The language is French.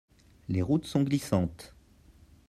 Les routes sont glissantes.